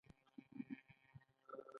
ته له کوم ځایه یې؟